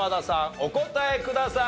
お答えください。